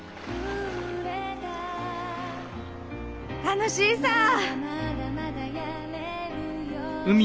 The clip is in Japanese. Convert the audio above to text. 楽しいさぁ！